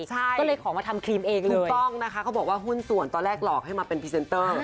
ก็เลยขอมาทำครีมเองถูกต้องนะคะเขาบอกว่าหุ้นส่วนตอนแรกหลอกให้มาเป็นพรีเซนเตอร์